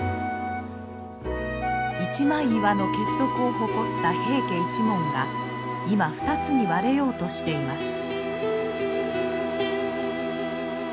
一枚岩の結束を誇った平家一門が今２つに割れようとしています。